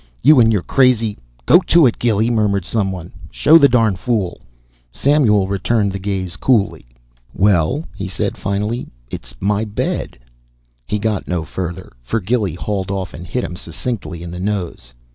"You an' your crazy " "Go to it, Gilly," murmured some one. "Show the darn fool " Samuel returned the gaze coolly. "Well," he said finally, "it's my bed " He got no further, for Gilly hauled off and hit him succinctly in the nose.